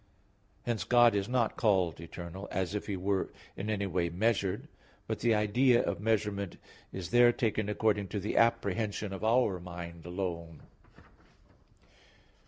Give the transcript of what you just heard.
Hence God is not called eternal, as if He were in any way measured; but the idea of measurement is there taken according to the apprehension of our mind alone.